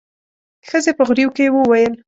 ښځې په غريو کې وويل.